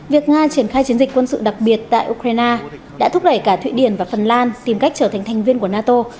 việc nga triển khai chiến dịch quân sự đặc biệt tại ukraine đã thúc đẩy cả thụy điển và phần lan tìm cách trở thành thành viên của nato